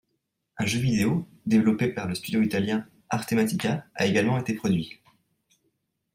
Un jeu vidéo, développé par le studio italien Artematica a également été produit.